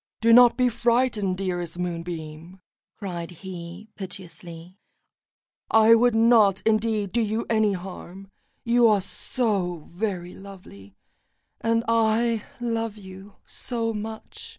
"Do not be frightened, dearest Moonbeam," cried he piteously; "I would not, indeed, do you any harm, you are so very lovely, and I love you so much."